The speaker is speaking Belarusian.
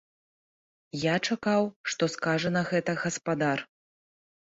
Я чакаў, што скажа на гэта гаспадар.